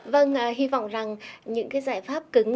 vâng hy vọng rằng những cái giải pháp cứng